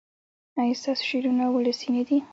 ایا ستاسو شعرونه ولسي نه دي؟